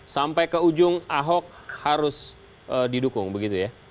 sampai ke ujung ahok harus didukung begitu ya